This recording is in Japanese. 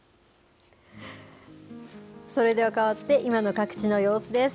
それではかわって、今の各地の様子です。